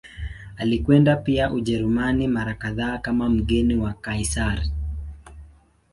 Alikwenda pia Ujerumani mara kadhaa kama mgeni wa Kaisari.